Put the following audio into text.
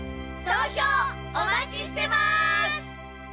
投票お待ちしてます！